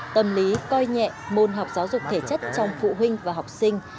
tâm lý coi nhẹ môn học giáo dục thể chất trong phụ huynh và học sinh